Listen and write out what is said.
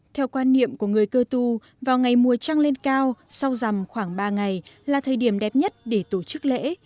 theo quan niệm của người cơ tu vào ngày mùa trăng lên cao sau dằm khoảng ba ngày là thời điểm đẹp nhất để tổ chức lễ